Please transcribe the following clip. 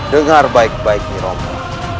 dengar baik baik nyerompang